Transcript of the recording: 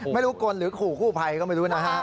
ไม่รู้กรนหรือหู่กู้ภัยเขาไม่รู้นะ